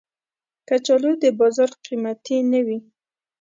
کچالو د بازار قېمتي نه وي